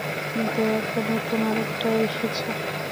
দেখ নতুন আরেকটা এসেছে।